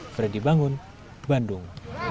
fredy bangun bandung